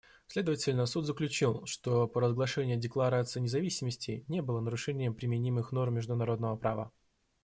Следовательно, Суд заключил, что провозглашение декларации независимости не было нарушением применимых норм международного права.